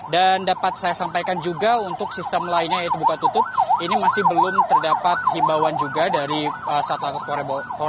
dan dapat saya sampaikan juga untuk sistem lainnya yaitu buka tutup ini masih belum terdapat himbawan juga dari satu lantas polres bogor